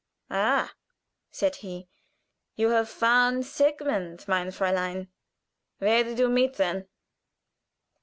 "Ha!" said he, "you have found Sigmund, mein Fräulein? Where did you meet, then?"